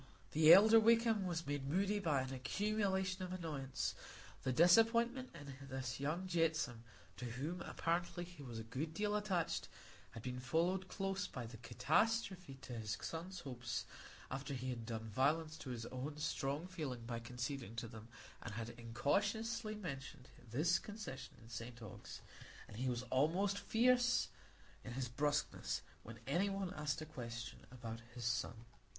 The elder Wakem was made moody by an accumulation of annoyance; the disappointment in this young Jetsome, to whom, apparently, he was a good deal attached, had been followed close by the catastrophe to his son's hopes after he had done violence to his own strong feeling by conceding to them, and had incautiously mentioned this concession in St Ogg's; and he was almost fierce in his brusqueness when any one asked him a question about his son.